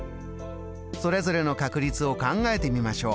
それぞれの確率を考えてみましょう。